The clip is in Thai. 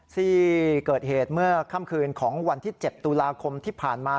ที่เกิดเหตุเมื่อค่ำคืนของวันที่๗ตุลาคมที่ผ่านมา